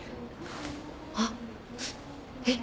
あっえっ？